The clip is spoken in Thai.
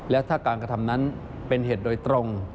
และถ้าการกระทำนั้นเป็นเหตุโดยตรง